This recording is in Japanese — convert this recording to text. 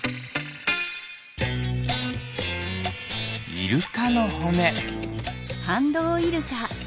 イルカのほね。